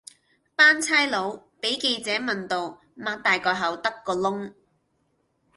班差佬比記者問到擘大個口得個窿